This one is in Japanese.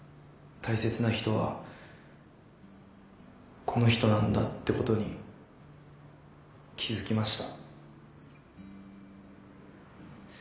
大切な人はこの人なんだってことに気づきました。